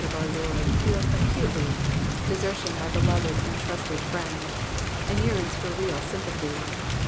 of our Lord feels acutely desertion by beloved and trusted friends, and yearns for real sympathy.